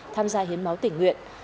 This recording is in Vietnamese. tham gia hiến máu tỉnh nguyện